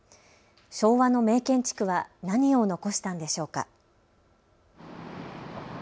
昭和の名建築は何を残したんでしょうか。